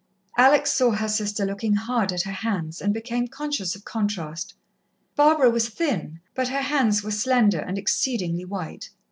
Alex saw her sister looking hard at her hands, and became conscious of contrast. Barbara was thin, but her hands were slender and exceedingly white.